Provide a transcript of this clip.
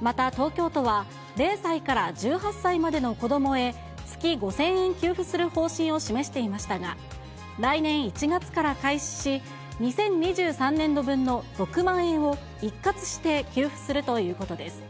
また東京都は、０歳から１８歳までの子どもへ、月５０００円給付する方針を示していましたが、来年１月から開始し、２０２３年度分の６万円を一括して給付するということです。